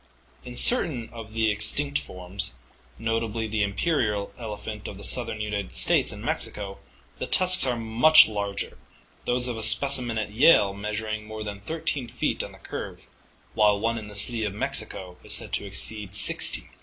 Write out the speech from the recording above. In certain of the extinct forms, notably the imperial ele phant of southern United States and Mexico, the tusks are much larger, those of a specimen at Yale measuring more than 13 feet on the curve, while one in the City of Mexico is said to exceed 16 feet.